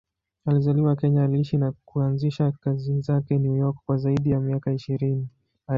Alizaliwa Kenya, aliishi na kuanzisha kazi zake New York kwa zaidi ya miaka ishirini.